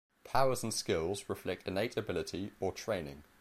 Powers and Skills reflect innate ability or training.